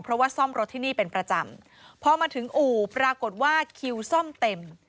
เพราะว่าซ่อมรถที่นี่เป็นประจำพอมาถึงอู่ปรากฏว่าคิวซ่อมเต็ม